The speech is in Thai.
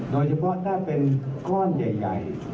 โดยเฉพาะถ้าเป็นก้อนใหญ่